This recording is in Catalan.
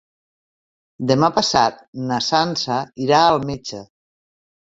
Demà passat na Sança irà al metge.